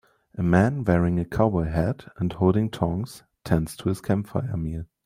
A man wearing a cowboy hat and holding tongs tends to his campfire meal